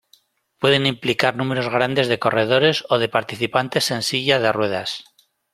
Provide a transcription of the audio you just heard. Pueden implicar números grandes de corredores o de participantes en silla de ruedas.